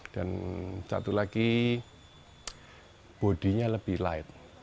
dan satu lagi bodinya lebih light